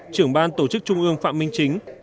trưởng ban tổ chức trung ương phạm minh chính